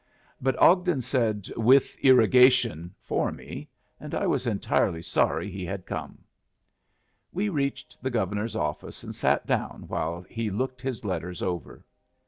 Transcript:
But Ogden said "with irrigation" for me, and I was entirely sorry he had come. We reached the Governor's office, and sat down while he looked his letters over.